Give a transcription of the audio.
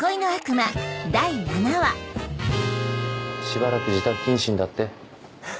しばらく自宅謹慎だって？